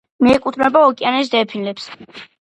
მიეკუთვნება ოკეანის დელფინებს.